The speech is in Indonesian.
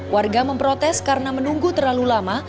warga memprotes karena menunggu terlalu lama